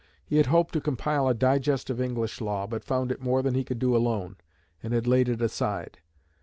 He had hoped to compile a digest of English law, but found it more than he could do alone, and had laid it aside.